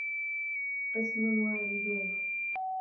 قِسْمٌ وَالِدُونَ